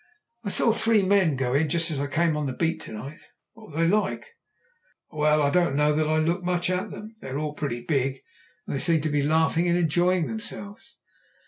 "I saw three men go in just as I came on the beat to night." "What were they like?" "Well, I don't know that I looked much at them. They were all pretty big, and they seemed to be laughing and enjoying themselves."